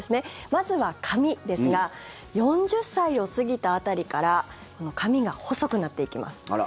まずは髪ですが４０歳を過ぎた辺りから髪が細くなっていきます。